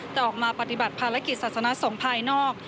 จะออกมาปฏิบัติภารกิจศาสนสงฆ์ภายนอก